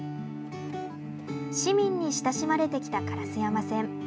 市民に親しまれてきた烏山線。